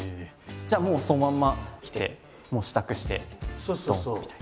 じゃあもうそのまんま来て支度してドンみたいな。